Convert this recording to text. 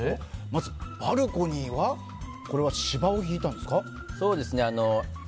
バルコニーは芝をひいたんですか？